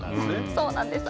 そうなんです。